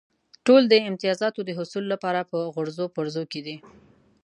ټول د امتیازاتو د حصول لپاره په غورځو پرځو کې دي.